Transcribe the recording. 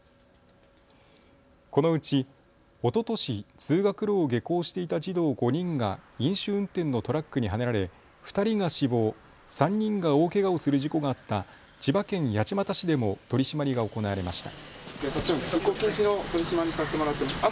このうち、おととし通学路を下校していた児童５人が飲酒運転のトラックにはねられ２人が死亡、３人が大けがをする事故があった千葉県八街市でも取締りが行われました。